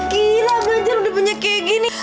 gila belanja udah banyak kayak gini